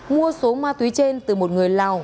mua số ma túy trên từ một người lào